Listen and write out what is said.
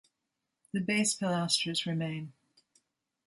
The base pilasters remain.